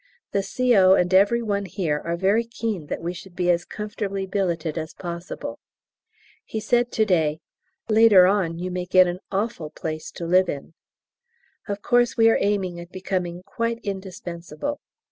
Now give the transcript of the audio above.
The C.O. and every one here are very keen that we should be as comfortably billeted as possible. He said to day, "Later on you may get an awful place to live in." Of course we are aiming at becoming quite indispensable!